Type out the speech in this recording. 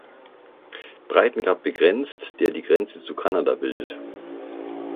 Breitengrad begrenzt, der die Grenze zu Kanada bildet.